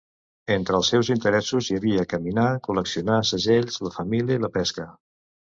Entre els seus interessos hi havia caminar, col·leccionar segells, la família i la pesca.